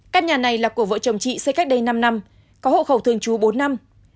căn nhà này là của vợ chồng chị xây cách đây năm năm có hộ khẩu thường trú bốn năm